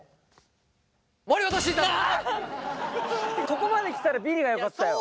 ここまで来たらビリがよかったよ。